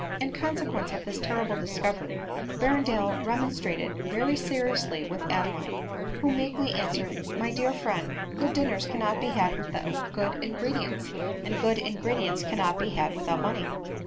In consequence of this terrible discovery Berrendale remonstrated very seriously with Adeline ; who meekly answered, " My dear friend, good dinners cannot be had without good ingredients, and good ingredients cannot be had without money."